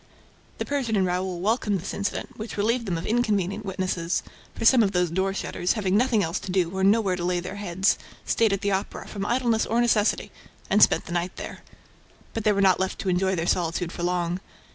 The Persian and Raoul welcomed this incident, which relieved them of inconvenient witnesses, for some of those door shutters, having nothing else to do or nowhere to lay their heads, stayed at the Opera, from idleness or necessity, and spent the night there. But they were not left to enjoy their solitude for long.